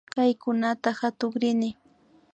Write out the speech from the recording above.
Kay kunuta katukrini